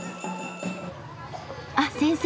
あっ先生。